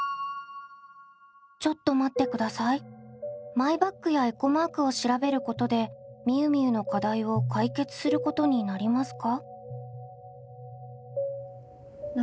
マイバッグやエコマークを調べることでみゆみゆの課題を解決することになりますか？